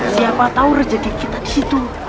siapa tahu rejeki kita disitu